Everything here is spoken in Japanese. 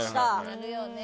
あるよね。